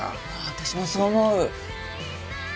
私もそう思う。